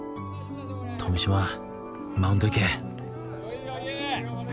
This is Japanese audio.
富嶋マウンド行け